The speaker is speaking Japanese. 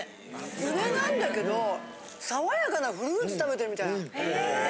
梅なんだけど爽やかなフルーツ食べてるみたい。